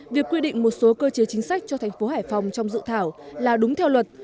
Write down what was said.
việc quy định một số cơ chế chính sách cho thành phố hải phòng trong dự thảo là đúng theo luật